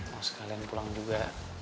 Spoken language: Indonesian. mau sekalian pulang juga